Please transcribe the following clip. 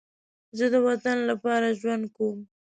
زه د وطن لپاره ژوند کوم